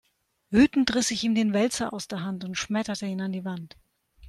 Wütend riss ich ihm den Wälzer aus der Hand und schmetterte ihn an die Wand.